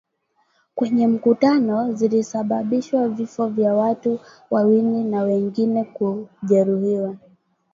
kwenye mkutano zilisababisha vifo vya watu wawili na wengine kujeruhiwa